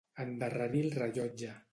Endarrerir el rellotge.